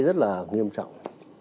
rất là nghiêm trọng